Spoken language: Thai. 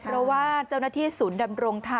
เพราะว่าเจ้าหน้าที่ศูนย์ดำรงธรรม